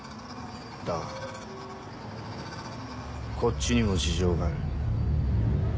だがこっちにも事情がある。